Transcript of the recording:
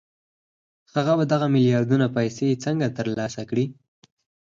هغه به دغه ميلياردونه پيسې څنګه ترلاسه کړي؟